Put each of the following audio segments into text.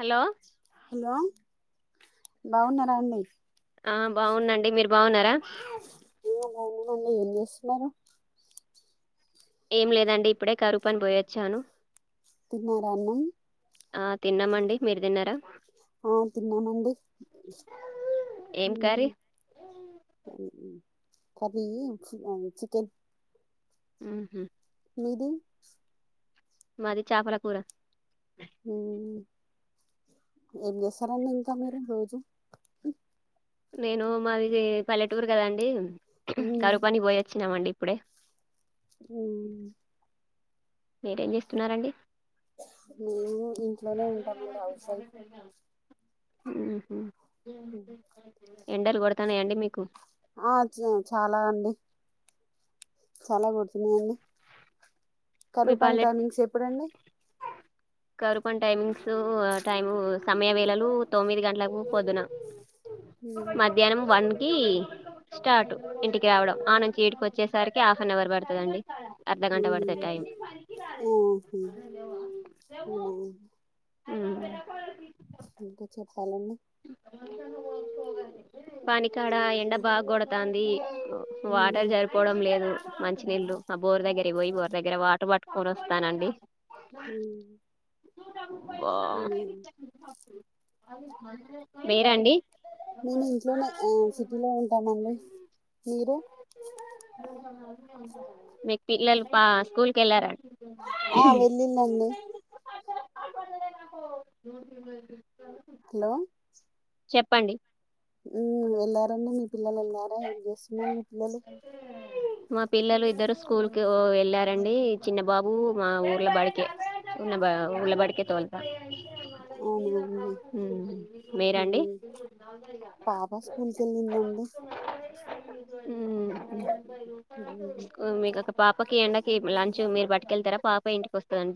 Hello hello బాగున్నారండి ఆ బాగుంనండి మీరు బాగున్నారా అవునండి ఏం చేస్తున్నరు ఏం లేదండి ఇప్పుడే కరుప్పన్ బోయొచ్చాను తిన్నారా అన్నం ఆ తిన్నామండి మీర్ తిన్నారా ఆ తిన్నామండి ఏం ఊ కర్రీ అమ్ కర్రీ చ్ చికెన్ ఊహు మీది మాది చాపలా కూరా ఉమ్ ఏం చేస్తారండీ ఇంకా మీరు రోజు నేను మాది పల్లెటూరు కదాండి ఉమ్, కరువు పనికి పోయిచ్చినామండి. ఇప్పుడే ఊ మీరేం చేస్తున్నారండి మేము ఇంట్లోనే ఉంటామండి హౌస్ వైఫ్ ఊహు ఎండలు కొడతానాయా అండి మీకు ఆ చ్చ చాలా అండి చాలా కొడుతున్నాయండి. మీ కరువు పని పల్లె టైమింగ్స్ ఎప్పుడండి. కరువు పని టైమింగ్స్ అ టైము సమయ వేళలు తొమ్మిది గంటలకు పొద్దున ఉమ్, మధ్యానం వన్ కి స్టార్ట్ ఇంటికి రావడం ఆ నుంచి ఈడికి వచ్చేసరికి హాఫ్ అన్ అవర్ పడుతదండి. అర్ధగంట పడుతద్ ఉహ్ ఓహ అవున ఊమ్ ఇంకా చెప్పాలండి పని కాడ ఎండ బాగొడతాంది ఉ ఉమ్, వాటర్ జరిపోవడం లేదు. మంచి నీళ్ళు ఆ బోర్ దగ్గరే పోయి బోర్ దగ్గర వాటర్ పట్టుకొని వస్తానని ఉ బా మీరండి మేము ఇంట్లోనే ఆ సిటీలో ఉంటామండి మీరు మీక్ పిల్లలు పా స్కూల్కి వెల్లారం ఆ వెళ్ళిందండి [unintelligible] హలో చెప్పండి ఉ వెళ్ళారండి మీ పిల్లలు వెళ్లారా ఏం చేస్తున్నారు మీ పిల్లలు మా పిల్లలు ఇద్దరు స్కూల్ కి ఓ వెళ్ళారండి చిన్న బాబు మా ఊర్ల బడికి ఉన్న బ ఉళ్ళబడికే తోళ్తా అవున అండి ఉ మీరండి పాప స్కూల్కి వెళ్ళిందండి ఉమ్, స్క్ మీఒక పాపకి ఎండకి లంచ్ మీరు భట్కెళ్తార పాప ఇంటికి వస్తంద్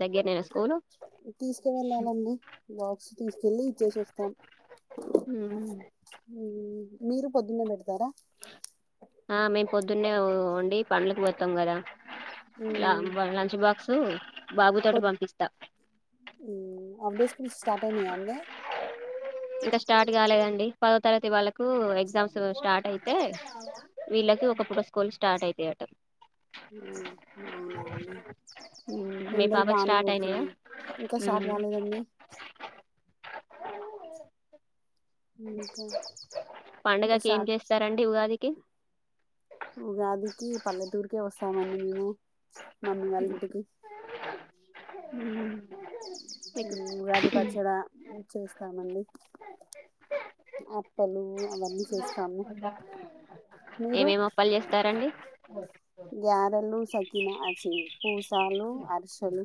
తీసుకు వెళ్ళాలండి బాక్స్ తీసుకెళ్ళి ఇచ్చేసివస్తాం ఉ మీరు పొద్దున్నే పెడతారా ఆ మేము పొద్దున్నే వండి పండ్లకు పోతాం గదా ల ఉమ్, వ లంచ్ బాక్సు బాబు తోటి పంపిస్తా. హాఫ్డే స్కూల్ స్టార్ట్ అయినాయాండి ఇంకా స్టార్ట్ కాలేదండి. పదో తరగతి వాళ్ళకు ఎగ్జామ్స్ స్టార్ట్ అయితే విళక్ ఐతే ఒకప్పుడు స్కూల్ స్టార్ట్ అయితాయట్ ఉ అవునాన్నీ మీ ఎండలు పాపకి బానే స్టార్ట్ అయినాయా కొడుతున్నయ్ ఇంకా స్టార్ట్ కాలేదా అండి ఇంకా ఇంకా పండుగకి ఏం స్టార్ట్ చేస్తారండి ఉగాదికి ఉగాదికి పల్లెటూరికే వస్తామండి మేము నమ్మీ వాళ్ళ ఇంటికి ఉ ఉ ఉగాది పచ్చడా చేస్తామండి అప్పలు అవన్నీ చేస్తాము ఏమేమి అప్పాలు చేస్తారండి. గ్యారలు సకినా అచి పూసాలు అర్షలు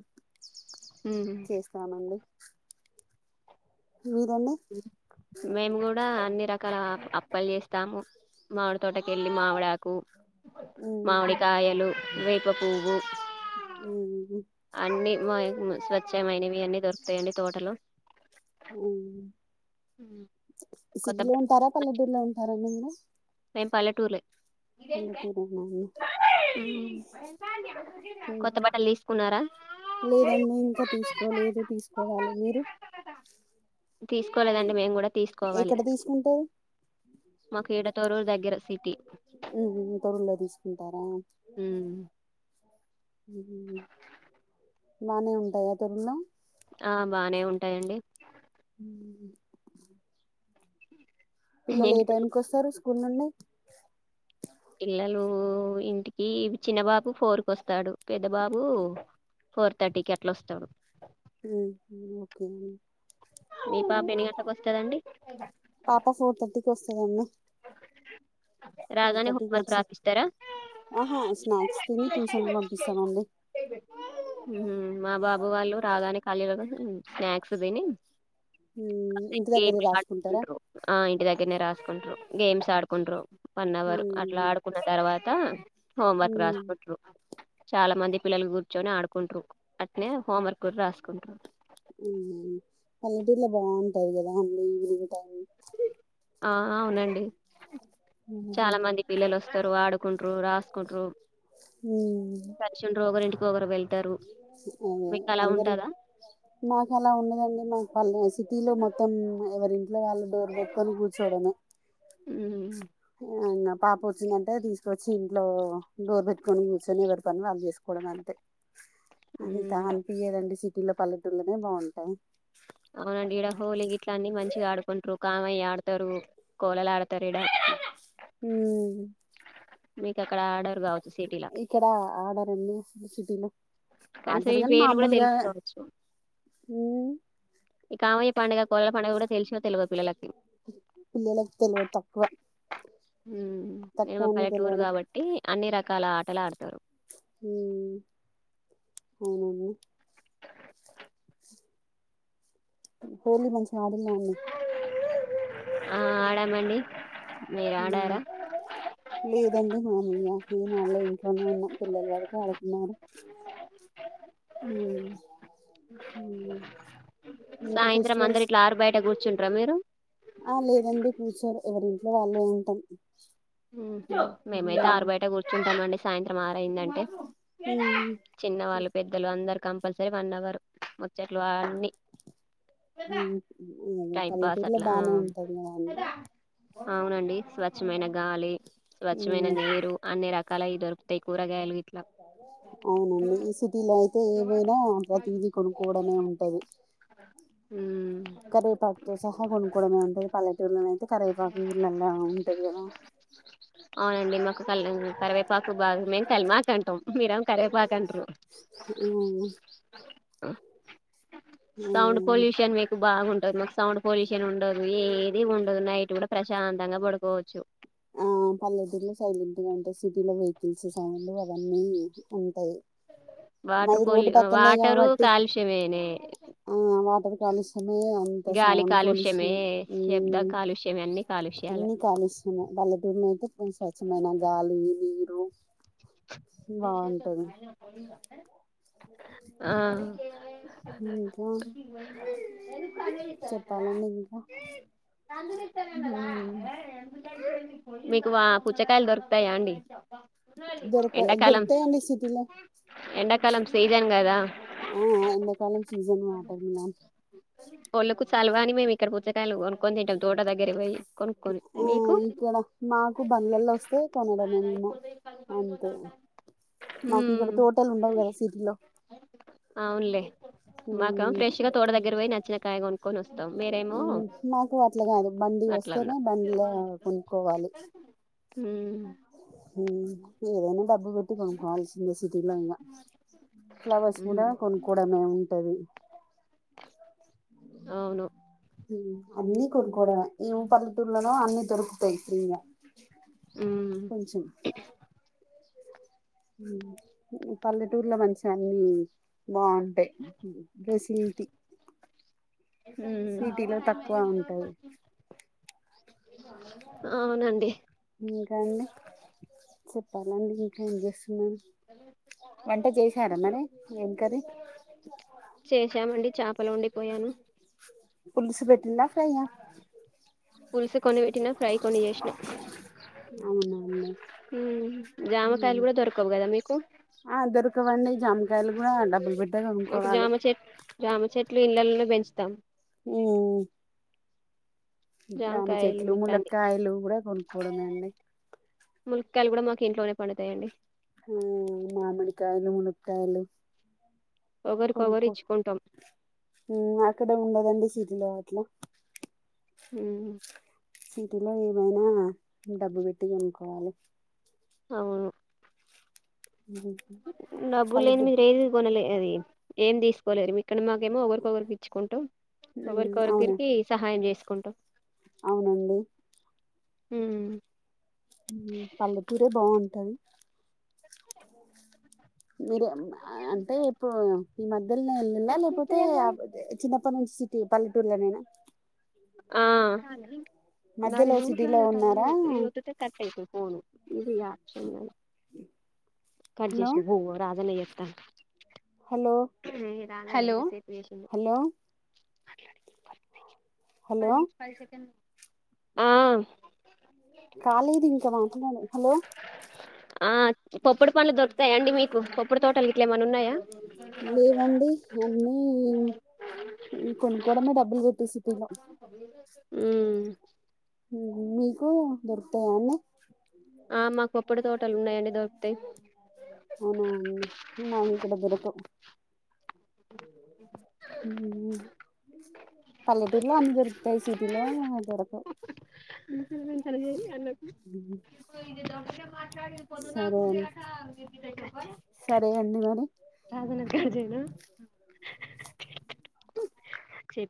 చేస్తామండి. మీరండి మేము కూడా అన్ని రకాల అ అప్పాలు చేస్తాము మామిడి తోటకి వెళ్ళి మావిడాకు ఉహు. మామిడి కాయలు వేప పువ్వు ఊహు [inaudible] స్వచ్ఛమైనవి అన్నీ దొరుకుతాయండి తోటలో సిటీలో ఉంటారా పల్లెటూరిలో ఉంటారా అండి మీరు మేం పల్లటుర్లే పల్లటూరెనా ఉమ్ కొత్త ఉహు. బట్టలు తీసుకున్నారా లేదండి ఇంకా తీసుకోలేదు తీసుకోవాలి మీరు తీసుకోలేదండి మేమ్ కూడా తీసుకోవాలి ఎక్కడ తీసుకుంటారు మాక్ ఇడ తోర్రూర్ దగ్గర సిటీ తొరులో తీసుకుంటారా [unintelligible] బానే ఉంటయా తోర్రులో ఆ బానే ఉంటాయండి ఉమ్ పిల్లలు ఏ ఇంట్లో టైముకి ఓస్తారు స్కూల్ నుండి పిల్లలూ ఇంటికీ చిన్నబాబు ఫోరుకొస్తాడు పెద్ద బాబు ఫోర్ థర్టీకి అట్లా ఓస్తాడు ఉహు ఓకే మీ పాప ఎన్ని గంటలకొస్తదండి? పాప ఫోర్ థర్టీకి ఓస్ ఫోర్ రాగానే థర్టీకి హోంవర్క్ వచ్చి రాపిస్తారా? ఆహా స్నాక్స్ తిని ట్యూషన్ పంపిస్తామండి మా బాబు వాళ్ళు రాగానే కాళ్లు చే కడిగి స్నాక్స్ తిని ఇంటి గేమ్ దగ్గరే లు రాసుకుంటారా ఆడుకుంటారు ఆ ఇంటి దగ్గరనే రా రాసుకుంటారు గేమ్స్ ఆడుకుంటా వన్ అవర్ అట్లా ఆడుకున్న తర్వాత హోంవర్క్ రాసుకుంట్రారు చాలా మంది పిల్లలు కూర్చొని ఆడుకుంటారు అట్నే హోంవర్క్ కూడా రాసుకుంట్రారు పల్లెటూర్లో బాగుంటద్ కదా అండి ఈవెనింగ్ టైమ్ ఆ అవున్డి చాలా మంది పిల్లలు ఒస్తారు ఆడుకుంటారు రాసుకుంటురూ కలిసి ఉంటారు ఒగారింటికి ఒగర్ వెళ్తారు అదే మీక్ అలా అందరు ఉంటుందా మాకు అలా ఉండదండి మాకు పల్ సిటీలో మొత్తం ఎవరి ఇన్ వాళ్ళు డోర్ పెట్టుకొని కూర్చోవడమే ఉమ్ ఇంగా పాప వచ్చిందంటే తీసుకొచ్చి ఇంట్లో డోర్ పెట్టుకని కూర్చొని ఎవరి పని వాళ్ళ చేసుకోవడమే అంతే అంతా ఉమ్. అనిపియదండి సిటీలో పల్లెటూల్లోనే బాగుంటాయి అవ్నండి ఇడ హోలీ గిట్ల అన్ని మంచిగా ఆడుకుంటారు కామయ్య ఆడతారు కోళలు ఆడ్ హు మీకు అక్కడ అడరుకావచ్చు సిటీలా ఇక్కడ ఆడరండి అసలు సిటీలో కనీసం ఆడతారు ఈ కానీ పేర్లు కూడా మామూలుగా తెలుసుకవచ్చు ఉమ్ ఈ కామయ్య పండుగ కోలలా పండగ కూడా తెల్సో తేల్వదో పిల్లలకి పిల్లలకు తెల్వద్ తక్కువ మ్ ఇగా తక్కువ అండి పల్లెటూరు తెలవడం కాబట్టి అన్ని రకాల ఆటల్ ఆడతారు ఉ అవుననీ హోలీ మంచిగా అడిల్ల అండి ఆ ఆడామండి మీరు ఉ ఆడారా లేదండి మ వాళ్ళ ఇంట్లోనే ఉన్నాం పిల్లల వరకి ఆడుకున్నారు ఉమ్. మ్ సాయంత్రం అందరు ఇట్లా ఆరు బయట కూర్చుంటార్ మీరు ఆ లేదండి కూచోరు ఎవరింట్లో వాళ్ళే ఉంటాం. మేమైతే ఆరు ఉమ్, బయట కూర్చుంటామ అండి సాయంత్రం ఆరైందంటే ఉమ్, చిన్నవాళ్లు పెద్దలు అందరు కంపల్సరీ వన్ అవర్ ముచ్చట్లు ఆన్ని ఉమ్, అదే టైమ్ పాస్ పల్లెటూరులో అట్ల బానే ఉంటది కదా అండి ఆ అవునండి స్వచ్ఛమైన గాలి స్వచ్ఛమైన ఉమ్, నీరు అన్ని రకాలయి దొరుకుతాయి. కూరగాయలు ఇట్ల అవునండి ఈ సిటీలో అయితే ఏవైనా ప్రతిదీ కొన్కోవడమే ఉంటది ఉమ్ కర్వెపాకుతో సహా గొనుకోవడమే ఉంటది పల్లెటూర్లోనైతే కరైపాకు ఊర్లల్లా ఉంటది కదా మొక్క కళ్ళ కరివేపాకు బాగున్నయ్ కల్మాక్ అంటాం మీర కరెపాకంటరు ఉమ్, అదే సౌండ్ అండి. పొల్యూషన్ మీకు బాగుంటది, మాకు సౌండ్ పొల్యూషన్ ఉండదు ఏది ఉ ఉండదు నైట్ కూడా ప్రశాంతంగా పడుకోచ్చు ఆ పల్లెటూరులో సైలెంట్ గా ఉంటది సిటీలో వెహికల్స్ సౌండ్ అవన్నీ టాయ్. వాటర్ పోల్యూ వాటరు కాలుష్యమేనే ఆ వాటర్ కాలుష్యమే అంత గాలి సౌండ్ కాలుష్యమే పొల్యూషన్ శబ్ద మ్మ్ కాలుష్యమే అన్ని కాలుష్యాలే అన్ని కాలుష్యమే పల్లెటూర్లో అయితే ఉ స్వచ్ఛమైన గాలి నీరు బాగుంటది ఆ ఇంకా చెప్పాలండింకా ఉ మీకు వా పుచ్చకాయలు దొరుకుతాయా అండి దొర్క ఎండాకాలం దొర్క్తయండి సిటిలో ఎండాకాలం సీజన్ కదా ఆ ఎండాకాలం సీజన్ మాటర్ మామ్ చలువాని మేము ఇక్కడ పుచ్చకాయలు కొనుకోని తింటం తోట దగ్గరి పోయి కొనుక్కొని ఆ మీకు ఇక్కడ మాకు బండ్లల్లో వస్తే కొనడమే మేము అంతే మాకు ఇక్కడ మ్మ్ తోటలుండవు కదా సిటీలో. మాక ఫ్రెష్ గా తోట దగ్గర పోయి నచ్చిన కాయ గొన్ కొనస్తాం మీరేమో మాకు అట్లా కాదు బండి అట్లన్న వస్తేనే బండిలో కొనుక్కోవాలి ఉమ్ హ్ ఏదైన డాబ డబ్బు పెట్టి కొనుకోవాల్సిందె సిటీలో ఇగ ఫ్లవర్స్ కూడా మ్మ్ కొన్కోడమే ఉంటంది అవును అన్ని కొన్నుకోవడమే ఇవ పల్లెటూర్లలో అన్ని దొరుకుతయి ఫ్రిగా మ్మ్ కొంచెం ఉ పల్లెటూరులో మంచిగా అన్ని బాగుంటాయి ఫెసిలిటి [inaudible] ఉమ్ ఉంటది అవునండి ఇంకాండి చెప్పాలండి ఇంక ఎం చేస్తున్నారు వంట చేసార మరి ఏం కర్రి చాపలోండి పోయాను పులుసు పెట్టింద ఫ్రై ఆ పులుసు కొన్ని వెట్టినా ఫ్రై కొన్ని చేసిన అవునా అండి ఉ జామకాయలు కూడా దొరకవు కదా మీ ఆ దొరకవండి జామకాయలు కూడా డబ్బులు పెట్టే మాకు కొనుక్కోవాలి జామ చెట్ జామ చెట్ చెట్లు ఇండ్లళ్లలో పెంచుతాం ఊ జామ జామకాయలు చెట్లు ఇట్లాంటి ములకాయలు కూడా కొనుక్కోవడమే అండి ములికాయలు కూడ మాకు ఇంట్లోనే పండుతాయండి ఊ మామిడి కాయలు, ములక్కాయలు ఒకరికొకరు కనుక్కో ఇచ్చుకుంటాం ఊ అక్కడే ఉండదండి సి లో వట్లు హుమ్ సిటిలో ఏదైనా డబ్బు పెట్టి కొనుకోవాలి అవును డబ్బులు లేంది పల్లెటూరు మీరు ఏది కొనలే అది ఏమి తీసుకోలేరు మీ ఇక్కడ మాకేమో ఒకరికొగరు ఇచ్చుకుంటాం అవునా ఒకరికోగర్కి సహాయం చేసుకుంటాం అవునండి ఊ ఊ పల్లెటూరే బాగుంటది మీరు అంటే ఇప్పుడు ఈ మధ్యల్నే ఎల్లిలా లేకపోతే అబుదే చిన్నప్ ప్ప నుంచి సిటీ పల్లెటూర్లనేేనా ఆ న మధ్యలో నూరు సిటీలో స ఉన్నారా ఇవొత్తుతే కట్టైతది ఫోను ఇది యాకిల్ హలో కట్జేశిండు బొంగు రాజన్న జే త హలో హలో హలో పది హలో నిమి పది సెకండ్లు వుంది ఆ కాలేదింక మాట్లాడు హలో ఆ పొప్పడు పండ్లు దొరుకుతయ అండి మీకు పొప్పడు తోటలు ఇట్లా ఏమన్న ఉన్నయా లేవండి అన్నీ ఊ కొనుకొవడమే డబ్బుల్ వెట్టిసిగో ఉమ్ [unintelligible] మీకూ దొరుకుతాయా అన్నీ ఆ మా కొప్పడి తోటలు ఉన్నాయ్ అవునా అండి మా ఇంటి దగ్గర కొ ఊ పల్లెటూరులో అన్ని దొరుకుతాయి సిటీలోన దొరకవు [unintelligible] అడిగేది అన్నకు మాట్లాడింది పొద్దుందాక సరే అండి ఉంటయంట [unintelligible] సరే అండి మరి రాజేనా చెప్